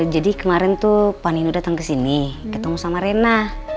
jadi kemarin tuh pak nino datang ke sini ketemu sama rena